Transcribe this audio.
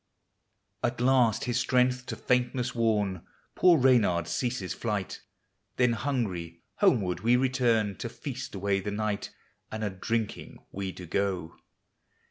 At last his strength to faintnesg worn, Poor Reynard ceases flight; Then hungry, homeward we return, To feast away the night, And a drinking we do go.